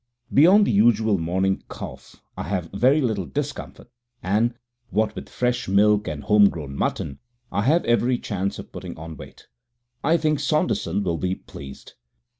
Beyond the usual morning cough I have very little discomfort, and, what with the fresh milk and the home grown mutton, I have every chance of putting on weight. I think Saunderson will be pleased.